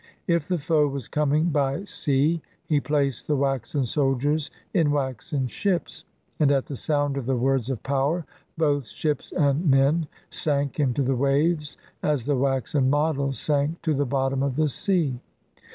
If the foe was coming by sea he placed the waxen soldiers in waxen ships, and at the sound of the words of power both ships and men sank into the waves as the waxen models sank to the bottom of the sea.